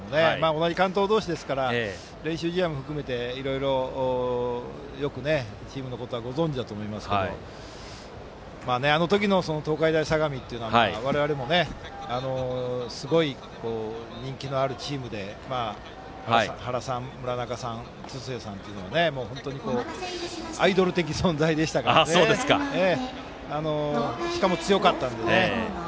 同じ関東同士ですから練習試合も含めていろいろチームのことはよくご存じだと思いますがあの時の東海大相模はすごい人気のあるチームで原さん、村中さん津末さんというのは本当にアイドル的存在でしかも、強かったので。